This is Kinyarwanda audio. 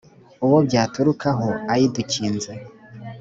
Uwo byaturukaho ayidukinze,